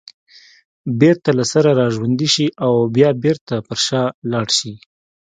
بېرته له سره راژوندي شي او بیا بېرته پر شا لاړ شي